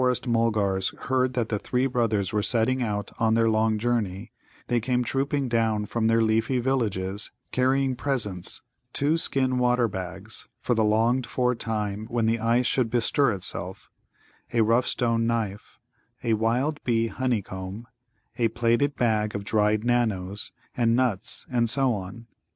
When the Forest mulgars heard that the three brothers were setting out on their long journey, they came trooping down from their leafy villages, carrying presents, two skin water bags (for the longed for time when the ice should bestir itself), a rough stone knife, a wild bee honeycomb, a plaited bag of dried Nanoes and nuts, and so on.